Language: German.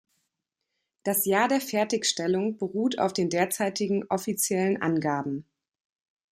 Das Jahr der Fertigstellung beruht auf den derzeitigen offiziellen Angaben.